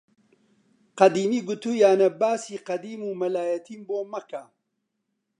قەدیمی گوتوویانە باسی قەدیم و مەلایەتیم بۆ مەکە!